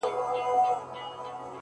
• روغ دې وزرونه پانوسونو ته به څه وایو,